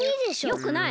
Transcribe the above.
よくない。